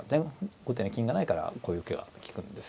後手に金がないからこういう受けは利くんですよ。